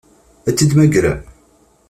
Ad t-id-temmagrem?